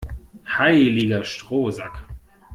Heiliger Strohsack!